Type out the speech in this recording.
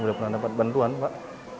sudah pernah dapat bantuan pak